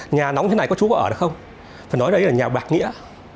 nhà nóng như thế này có chú có ở được không phải nói đây là nhà bạc nghĩa